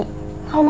kalau maluin kan ma